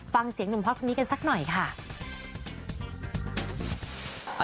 ฟังเสียงหนุ่มฮอตคนนี้กันสักหน่อยค่ะ